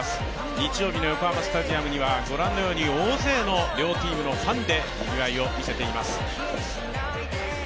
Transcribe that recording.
日曜日の横浜スタジアムにはご覧のように大勢の両チームのファンでにぎわいを見せています。